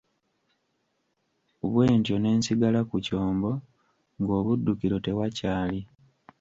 Bwe ntyo ne nsigala ku kyombo ng'obuddukiro tewakyali.